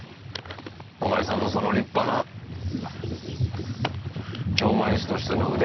お前さんのその立派な錠前師としての腕がよ。